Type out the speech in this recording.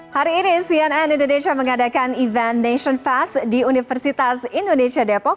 hari ini cnn indonesia mengadakan event nation fast di universitas indonesia depok